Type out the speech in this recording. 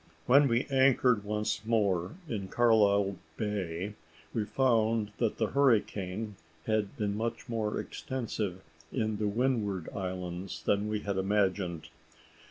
When we anchored once more in Carlisle Bay, we found that the hurricane had been much more extensive in the Windward Islands than we had imagined.